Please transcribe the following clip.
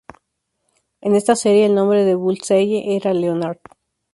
En esta serie, el nombre de Bullseye era Leonard.